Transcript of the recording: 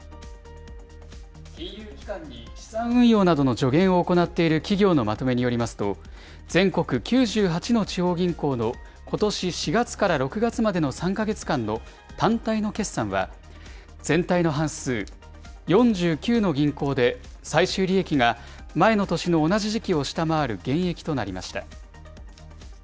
金融機関に資産運用などの助言を行っている企業のまとめによりますと、全国９８の地方銀行のことし４月から６月までの３か月間の単体の決算は、全体の半数、４９の銀行で最終利益が前の年の同じ時期を下回る減益となりました。